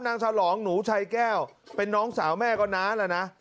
ฉลองหนูชัยแก้วเป็นน้องสาวแม่ก็น้าแล้วนะ